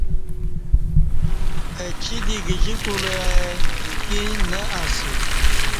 اچی دی گجی کولہ ائ ایکی نہ اسہ۔